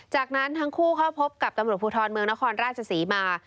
จากนั้นทั้งคู่เข้าพบกับตำรวจภูทรเมืองนครราชศรีมา